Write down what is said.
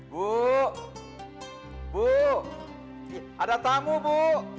bu bu ada tamu bu